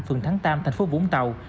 phường thắng tam thành phố vũng tàu